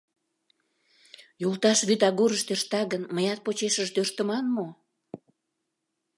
Йолташ вӱд агурыш тӧршта гын, мыят почешыже тӧрштыман мо?